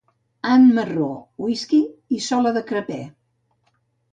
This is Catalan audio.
Ant marró whisky i sola de crepè.